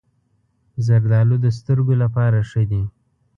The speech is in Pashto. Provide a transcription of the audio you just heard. زردالو د سترګو لپاره ښه دي.